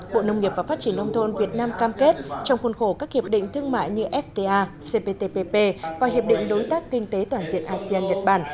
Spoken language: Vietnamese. bộ nông nghiệp và phát triển nông thôn việt nam cam kết trong khuôn khổ các hiệp định thương mại như fta cptpp và hiệp định đối tác kinh tế toàn diện asean nhật bản